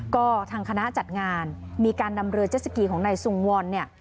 ก็ทางคณะจัดงานมีการนำเรือเจสสกีของนายสุงวอนเนี่ย